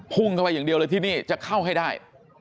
พุ่งเข้าไปอย่างเดียวเลยที่นี่จะเข้าให้ได้